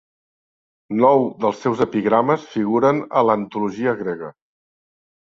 Nou dels seus epigrames figuren a l'antologia grega.